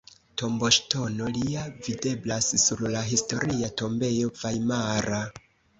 Tomboŝtono lia videblas sur la Historia tombejo vajmara.